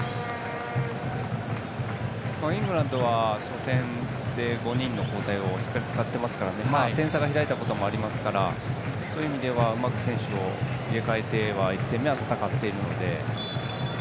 イングランドは初戦で５人の交代をしっかり使っていますから点差が開いたこともありますからそういう意味ではうまく選手を入れ替えて１戦目、戦っているので。